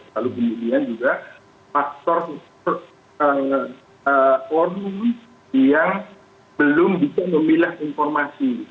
lalu kemudian juga faktor forum yang belum bisa memilah informasi